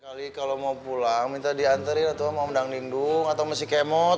kali kalau mau pulang minta dianterin atau mau dangling duk atau masih kemot